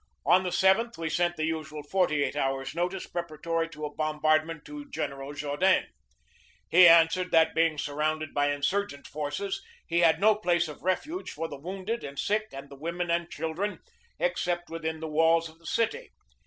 On the 7th we sent the usual forty eight hours' notice preparatory to a bombardment to General Jaudenes. 1 He an swered that, being surrounded by insurgent forces, he had no place of refuge for the wounded and sick and the women and children except within the walls of the city.